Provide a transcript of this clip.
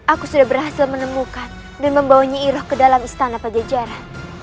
aku sudah berhasil menemukan dan membawanya iroh ke dalam istana pajajaran